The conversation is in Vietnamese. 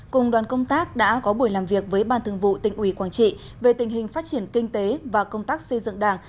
cùng đoàn công tác đã có buổi làm việc với ban thường vụ tỉnh ủy quảng trị về tình hình phát triển kinh tế và công tác xây dựng đảng